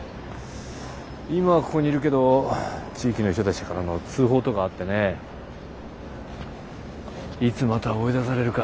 今はここにいるけど地域の人たちからの通報とかあってねいつまた追い出されるか。